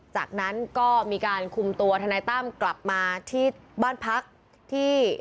จากนั้นก็มีการคุมตัวทนายตั้มกลับมาที่บ้านพักที่